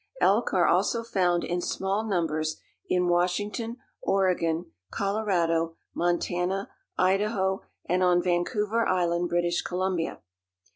Elk are also found in small numbers in Washington, Oregon, Colorado, Montana, Idaho and on Vancouver Island, British Columbia.